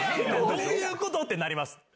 どういうこと？ってなります。